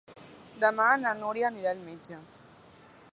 Demà na Núria anirà al metge.